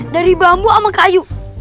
dari bambu sama kayu